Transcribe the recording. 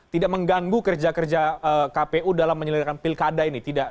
tidak mengganggu kerja kerja kpu dalam menyelenggarakan pilkada ini